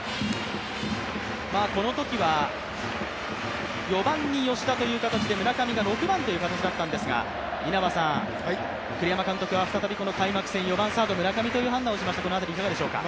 このときは４番に吉田という形で、村上が６番という形でしたが、栗山監督は再び４番サード・村上という選択をしました、このあたりいかがでしょうか。